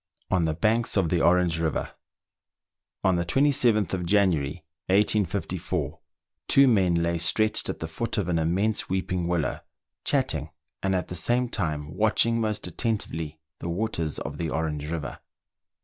ON THE BANKS OF THE ORANGE RIVER. On the 27th of January, 1854, two men lay stretched at the foot of an immense weeping willow, chatting, and at the same time watching most attentively the waters of the Orange River.